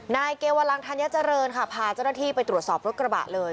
นายเกวลังธัญเจริญค่ะพาเจ้าหน้าที่ไปตรวจสอบรถกระบะเลย